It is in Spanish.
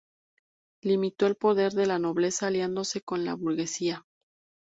Limitó el poder de la nobleza, aliándose con la burguesía.